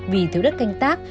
vì thiếu đất canh tác